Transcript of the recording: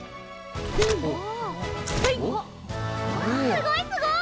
すごいすごい！